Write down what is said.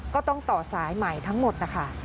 ก็ต้องต่อสายใหม่ทั้งหมดนะคะ